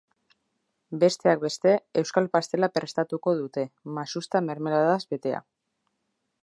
Besteak beste, euskal pastela prestatuko dute, masusta mermeladaz betea.